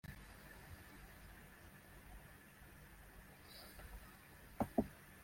Segmi d-kecmen ur ssusmen.